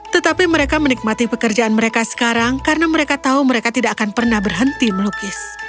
tetapi mereka menikmati pekerjaan mereka sekarang karena mereka tahu mereka tidak akan pernah berhenti melukis